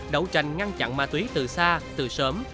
đấu tranh ngăn chặn ma túy từ xa từ sớm